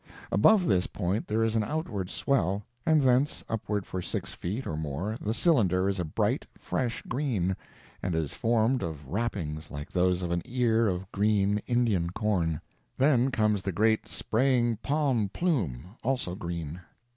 Above this point there is an outward swell, and thence upward for six feet or more the cylinder is a bright, fresh green, and is formed of wrappings like those of an ear of green Indian corn. Then comes the great, spraying palm plume, also green.